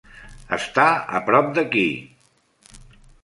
Està a prop d"aquí!